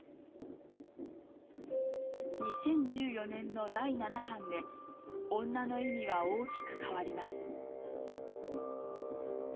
２０１４年の第七版で、女の意味は大きく変わります。